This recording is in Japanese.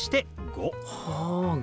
５。